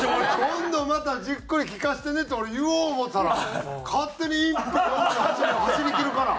「今度またじっくり聞かせてね」って俺言おう思うたら勝手に１分４８秒走りきるから。